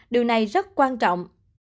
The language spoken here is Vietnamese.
điều này rất quan trọng